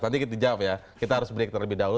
nanti kita jawab ya kita harus break terlebih dahulu